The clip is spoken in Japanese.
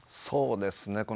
そうですね。